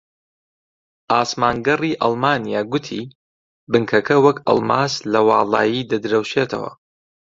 ئاسمانگەڕی ئەڵمانیا گوتی بنکەکە وەک ئەڵماس لە واڵایی دەدرەوشێتەوە